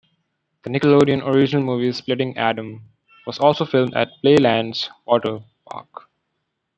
The Nickelodeon original movie "Splitting Adam" was also filmed at Playland's water park.